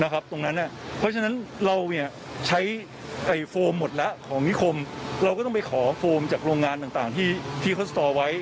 เพราะฉะนั้นเราใช้โฟมหมดแล้วของนิคมเราก็ต้องไปขอโฟมจากโรงงานต่างที่เขาสตอไว้